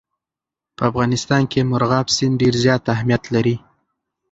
په افغانستان کې مورغاب سیند ډېر زیات اهمیت لري.